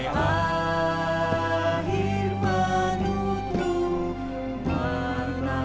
terakhir menutup mata